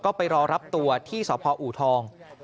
ก็ไปรอรับตัวที่สพอูทอง